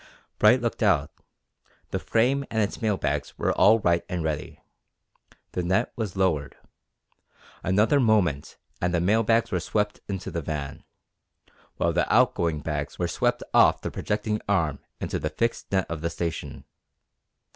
Bright looked out. The frame and its mail bags were all right and ready. The net was lowered. Another moment and the mail bags were swept into the van, while the out going bags were swept off the projecting arm into the fixed net of the station.